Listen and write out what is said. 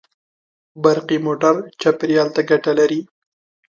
برقي موټر چاپېریال ته ګټه لري.